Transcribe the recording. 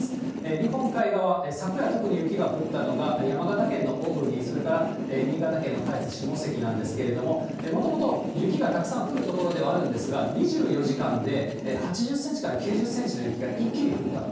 日本海側、昨夜、特に雪が降ったのが、山形県の小国、それから新潟県の下越、下関なんですけれども、もともと雪がたくさん降る所ではあるんですが、２４時間で８０センチから９０センチの雪が一気に降ったと。